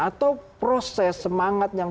atau proses semangat yang